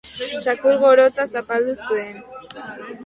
Txakur gorotza zapaldu zuen.